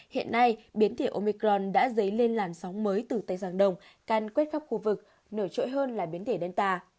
hiện nay biến thể omicron đã dấy lên làn sóng mới từ tây giang đồng can quét khắp khu vực nổi trội hơn là biến thể delta